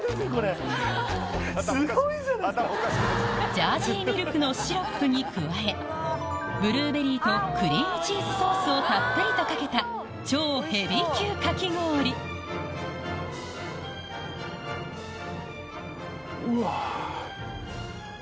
ジャージーミルクのシロップに加えブルーベリーとクリームチーズソースをたっぷりとかけた超ヘビー級かき氷うわ。